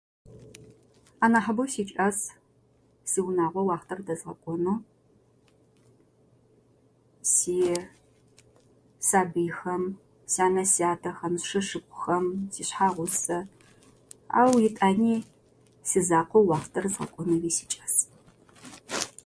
Анахьыбэу сикӏас сиунагъо уахътэ дэзгъэкӏонэу. Си сабыйхэм, сянэ-сятэхэм, сшы-шыпхъухэм, сишъхьагъусэ. Ау етӏани сизакъоу уахътэр згъэкӏонэуи сикӏас.